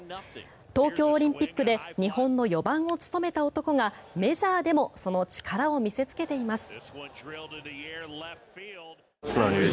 東京オリンピックで日本の４番を務めた男がメジャーでもその力を見せつけています。